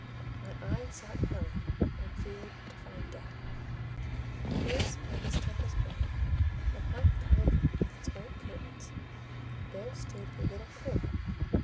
My eye sought Helen, and feared to find death. Close by Miss Temple's bed, and half covered with its white curtains, there stood a little crib.